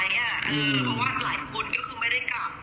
เพราะว่าหลายคนก็คือไม่ได้กลับ